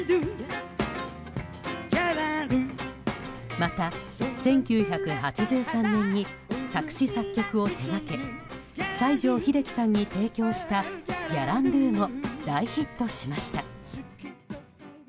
また、１９８３年に作詞・作曲を手掛け西城秀樹さんに提供した「ギャランドゥ」も大ヒットしました。